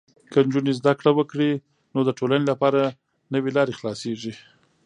که نجونې زده کړه وکړي، نو د ټولنې لپاره نوې لارې خلاصېږي.